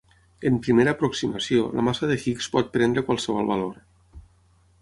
En primera aproximació, la massa de Higgs pot prendre qualsevol valor.